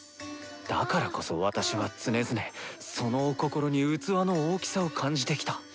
だからこそ私は常々そのお心に器の大きさを感じてきた。